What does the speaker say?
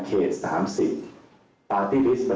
เพราะฉะนั้นการคำนวณตามมาตรา๑๒๘